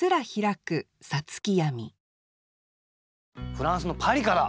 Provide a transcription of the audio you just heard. フランスのパリから。